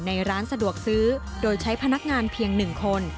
ในร้านสะดวกซื้อโดยใช้พนักงานเพียง๑คน